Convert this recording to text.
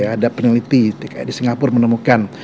ada peneliti di singapura menemukan